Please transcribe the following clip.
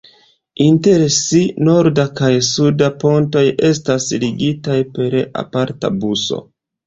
Inter si "norda" kaj "suda pontoj" estas ligitaj per aparta buso.